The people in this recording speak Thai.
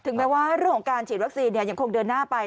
ถึงแม้ว่าโรงการฉีดวัคซีนยังคงเดินหน้าไป